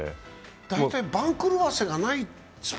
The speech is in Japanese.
大体、番狂わせがないスポ